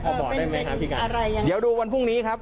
พอบอกได้ไหมอะไรยังไงเดี๋ยวดูวันพรุ่งนี้ครับ